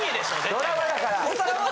ドラマだから！